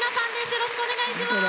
よろしくお願いします！